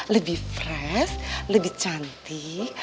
lebih fresh lebih cantik